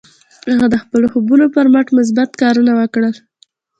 هغه د خپلو خوبونو پر مټ مثبت کارونه وکړل.